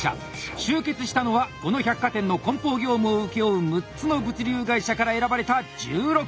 集結したのはこの百貨店の梱包業務を請け負う６つの物流会社から選ばれた１６人！